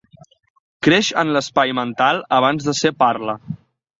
Creix en l'espai mental abans de ser parla.